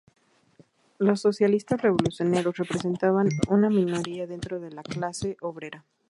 Los socialistas revolucionarios representaban una minoría dentro de la clase obrera.